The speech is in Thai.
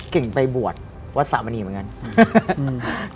เก่งไปบวชวัดสามณีเหมือนกัน